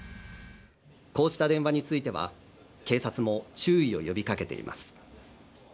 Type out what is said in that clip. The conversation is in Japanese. こうした電話については、警察も注意を呼びかけています。